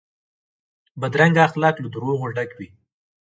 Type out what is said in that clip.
بدرنګه اخلاق له دروغو ډک وي